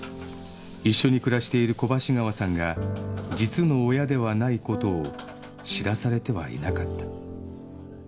一緒に暮らしている小橋川さんが実の親ではないことを知らされてはいなかった